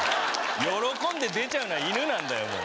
喜んで出ちゃうのは犬なんだよもう。